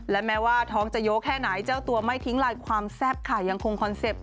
และแม้ว่าท้องจะโยกแค่ไหนเจ้าตัวไม่ทิ้งลายความแซ่บค่ะยังคงคอนเซ็ปต